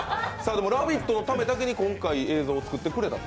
「ラヴィット！」のためだけに今回映像を作ってくれたと。